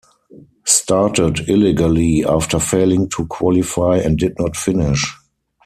Started illegally after failing to qualify and did not finish.